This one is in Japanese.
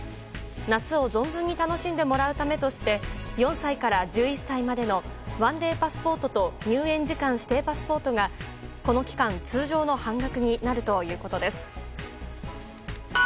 夏を存分に楽しんでもらうためとして４歳から１１歳までの１デーパスポートと入園時間指定パスポートがこの期間、通常の半額になるということです。